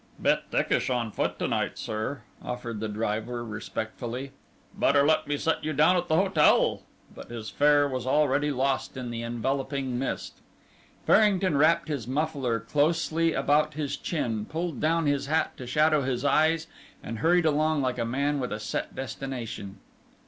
"Bit thickish on foot to night, sir," offered the driver respectfully. "Better let me set you down at the hotel." But his fare was already lost in the enveloping mist. Farrington wrapped his muffler closely about his chin, pulled down his hat to shadow his eyes, and hurried along like a man with a set destination.